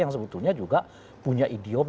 yang sebetulnya juga punya idiom